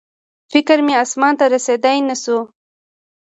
فکر مې اسمان ته رسېدی نه شو